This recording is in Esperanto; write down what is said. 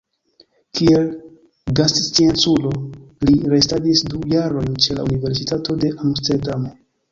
Kiel gastscienculo li restadis du jarojn ĉe la Universitato de Amsterdamo.